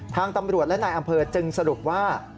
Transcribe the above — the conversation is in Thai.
ทางตำรวจและนายอำเภอจึงสรุปว่า